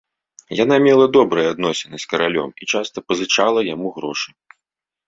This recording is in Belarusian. Яна мела добрыя адносіны з каралём і часта пазычала яму грошы.